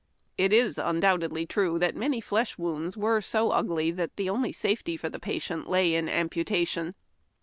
It was undoubtedly true that many flesh wounds were so ugly the only safety for the patient lay in amputation.